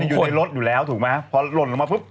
อยู่ในรถอยู่แล้วถูกมั้ย